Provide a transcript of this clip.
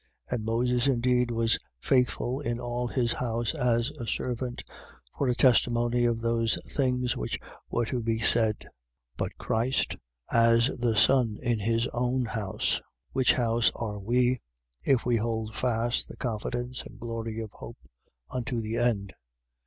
3:5. And Moses indeed was faithful in all his house as a servant, for a testimony of those things which were to be said: 3:6. But Christ, as the Son in his own house: which house are we, if we hold fast the confidence and glory of hope unto the end.